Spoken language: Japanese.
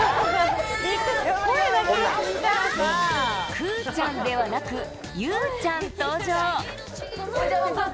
くぅちゃんではなく、ゆうちゃん登場。